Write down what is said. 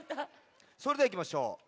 それではいきましょう。